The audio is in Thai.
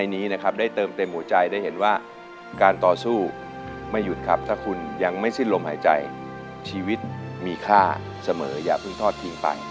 มีค่าเสมออย่าเพิ่งทอดทิ้งไป